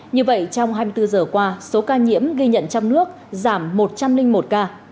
như vậy trong hai mươi bốn giờ qua số ca nhiễm ghi nhận trong nước giảm một trăm linh một ca